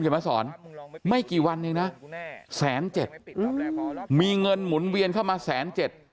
เขายังไงสอนไม่กี่วันหนึ่งน่ะ๑๗๐๐๐๐บาทมีเงินหมุนเวียนเข้ามา๑๗๐๐๐๐บาท